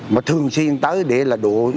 mà thường xuyên tới để là đua